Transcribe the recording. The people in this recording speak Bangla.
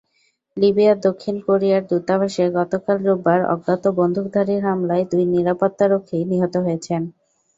লিবিয়ায় দক্ষিণ কোরিয়ার দূতাবাসে গতকাল রোববার অজ্ঞাত বন্দুকধারীর হামলায় দুই নিরাপত্তারক্ষী নিহত হয়েছেন।